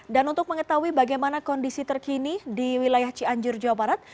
dan untuk mengetahui bagaimana kondisi terkini di wilayah cianjur jawa barat